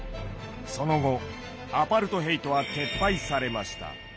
その後アパルトヘイトは撤廃されました。